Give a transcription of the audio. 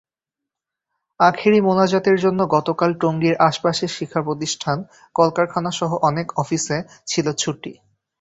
আখেরি মোনাজাতের জন্য গতকাল টঙ্গীর আশপাশের শিক্ষাপ্রতিষ্ঠান, কলকারখানাসহ অনেক অফিসে ছিল ছুটি।